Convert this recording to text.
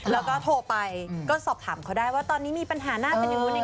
แล้วก็โทรไปก็สอบถามเค้าได้ว่าตอนนี้มีปัญหาหน้าเป็นอยู่ในนี้